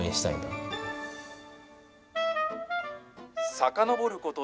さかのぼること